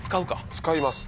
使います。